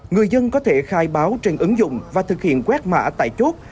người dân có thể khai báo trên ứng dụng và thực hiện quét mã tại chốt